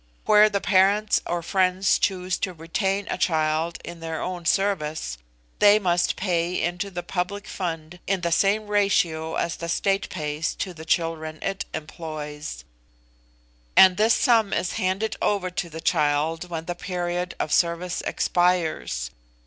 Where the parents or friends choose to retain a child in their own service, they must pay into the public fund in the same ratio as the state pays to the children it employs; and this sum is handed over to the child when the period of service expires.